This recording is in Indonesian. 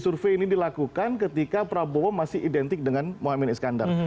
survei ini dilakukan ketika prabowo masih identik dengan mohamad iskandar